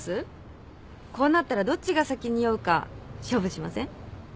こうなったらどっちが先に酔うか勝負しません？